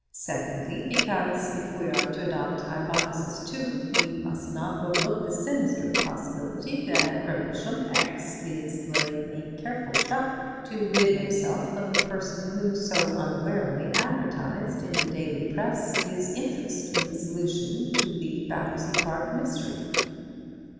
Secondly, because, if we are to adopt Hypothesis 2, we must not overlook the sinister possibility that Crimplesham X is laying a careful trap to rid himself of the person who so unwarily advertised in the daily press his interest in the solution of the Battersea Park mystery."